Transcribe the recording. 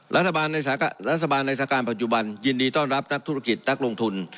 รัฐบาลในรัฐบาลในสถานการณ์ปัจจุบันยินดีต้อนรับนักธุรกิจนักลงทุน